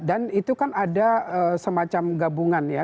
dan itu kan ada semacam gabungan ya